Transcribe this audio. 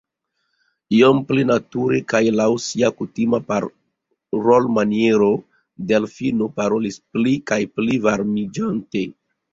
Iom pli nature kaj laŭ sia kutima parolmaniero Delfino parolis, pli kaj pli varmiĝante: